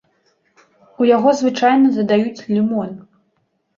У яго звычайна дадаюць лімон.